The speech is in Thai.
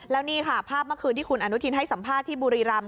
แล้วนี่ค่ะภาพเมื่อคืนที่คุณอนุทินให้สัมภาษณ์ที่บุรีรำ